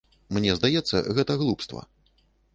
Мне здаецца, гэта глупства.